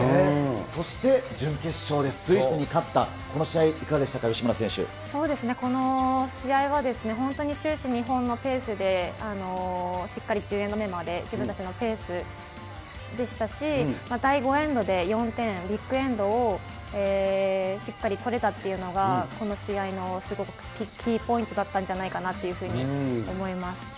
そして、準決勝でスイスに勝ったこの試合、いかがでしたか、そうですね、この試合は本当に終始、日本のペースでしっかり１０エンド目まで自分たちのペースでしたし、第５エンドで４点、ビッグエンドをしっかり取れたっていうのが、この試合のすごくキーポイントだったんじゃないかなというふうに思います。